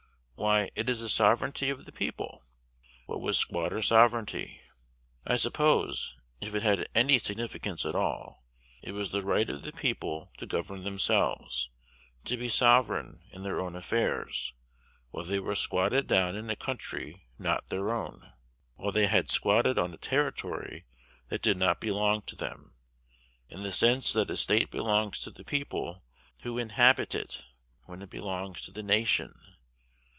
Why, it is the sovereignty of the people! What was squatter sovereignty? I suppose, if it had any significance at all, it was the right of the people to govern themselves, to be sovereign in their own affairs while they were squatted down in a country not their own, while they had squatted on a territory that did not belong to them; in the sense that a State belongs to the people who inhabit it, when it belongs to the nation.